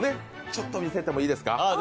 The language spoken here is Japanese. ちょっと見せてもいいですか。